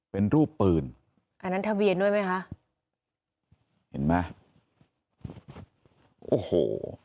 เป็นรูปปืนอันนั้นทะเบียนด้วยไหมคะเห็นไหมโอ้โห